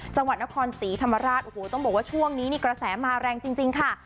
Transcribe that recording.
จังหวัดนครศรีธรรมราชโอ้โหต้องบอกว่าช่วงนี้นี่กระแสมาแรงจริงค่ะ